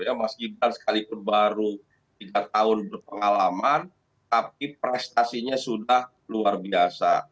ya mas gibran sekalipun baru tiga tahun berpengalaman tapi prestasinya sudah luar biasa